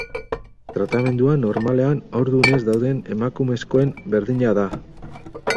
Tratamendua normalean haurdun ez dauden emakumezkoen berdina da.